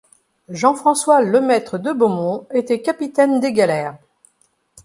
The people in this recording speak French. Jean-François Lemaître de Beaumont était capitaine des galères.